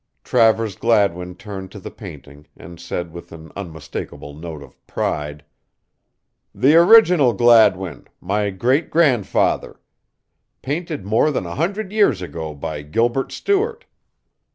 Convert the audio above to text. Travers Gladwin turned to the painting and said with an unmistakable note of pride: "The original Gladwin, my great grandfather. Painted more than a hundred years ago by Gilbert Stuart."